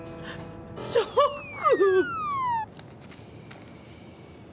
ショック。